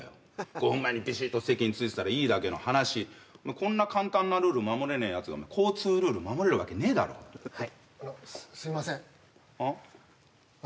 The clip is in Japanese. ５分前にビシッと席に着いてたらいいだけの話こんな簡単なルール守れねえやつが交通ルール守れるわけねえだろはいあのすいませんああ？